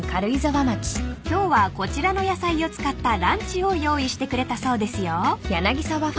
［今日はこちらの野菜を使ったランチを用意してくれたそうですよ］